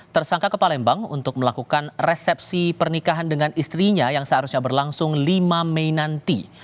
tersangka ke palembang untuk melakukan resepsi pernikahan dengan istrinya yang seharusnya berlangsung lima mei nanti